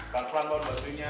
pelan pelan bon bantuinya